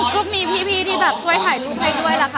ก็มีพี่ที่แบบช่วยถ่ายรูปให้ด้วยล่ะค่ะ